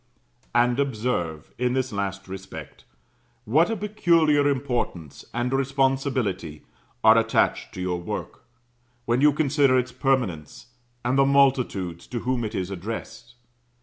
And observe, in this last respect, what a peculiar importance, and responsibility, are attached to your work, when you consider its permanence, and the multitudes to whom it is addressed.